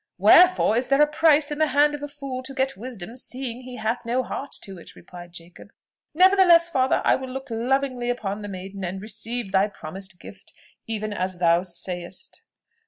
"Wherefore is there a price in the hand of a fool to get wisdom, seeing he hath no heart to it?" replied Jacob. "Nevertheless, father, I will look lovingly upon the maiden, and receive thy promised gift, even as thou sayest."